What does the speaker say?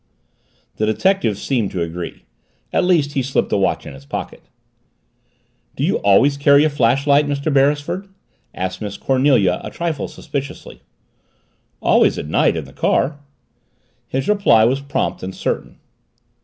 The detective seemed to agree. At least he slipped the watch in his pocket. "Do you always carry a flashlight, Mr. Beresford?" asked Miss Cornelia a trifle suspiciously. "Always at night, in the car." His reply was prompt and certain.